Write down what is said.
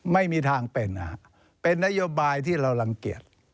ไม่มีทางเป็นเป็นนโยบายที่เรารังเกียจ